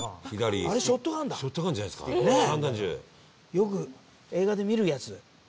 よく映画で見るやつ。